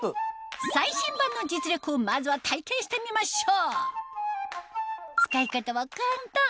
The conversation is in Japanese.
最新版の実力をまずは体験してみましょう